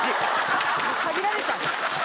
限られちゃった。